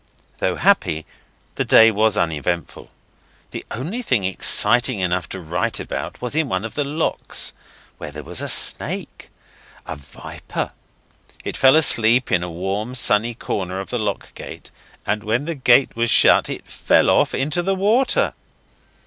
Though happy, the day was uneventful. The only thing exciting enough to write about was in one of the locks, where there was a snake a viper. It was asleep in a warm sunny corner of the lock gate, and when the gate was shut it fell off into the water.